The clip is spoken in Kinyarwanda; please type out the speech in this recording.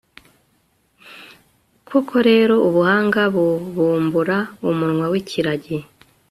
koko rero, ubuhanga bubumbura umunwa w'ikiragi